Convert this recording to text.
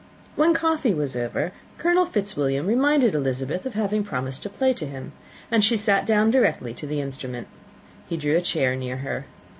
When coffee was over, Colonel Fitzwilliam reminded Elizabeth of having promised to play to him; and she sat down directly to the instrument. He drew a chair near her.